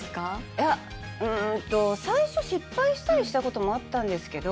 いやうんと最初失敗したりしたこともあったんですけど